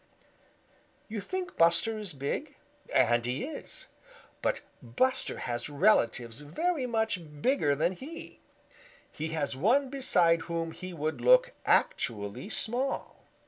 You think Buster is big, and he is, but Buster has relatives very much bigger than he. He has one beside whom he would look actually small.